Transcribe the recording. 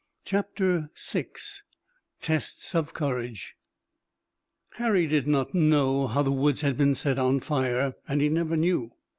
CHAPTER VI TESTS OF COURAGE Harry did not know how the woods had been set on fire, and he never knew.